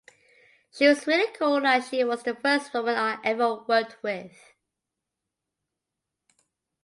She was really cool as she was the first woman I ever worked with.